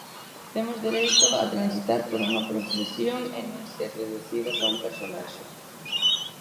Temos dereito a transitar por unha profesión e non ser reducidos a un personaxe.